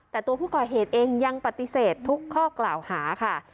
แต่ตัวผู้ก่อเหตุเองยังปฏิเสธทุกข้อกล่าวหาค่ะ